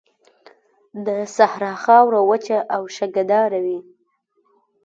د صحرا خاوره وچه او شګهداره وي.